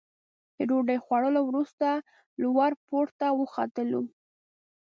د ډوډۍ خوړلو وروسته لوړ پوړ ته وختلو.